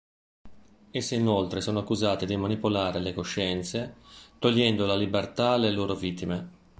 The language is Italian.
Esse inoltre sono accusate di manipolare le coscienze togliendo la libertà alle loro vittime.